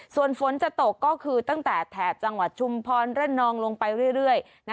ส่วนฝนจะตกก็คือตั้งแต่แถบจังหวัดชุมพรระนองลงไปเรื่อย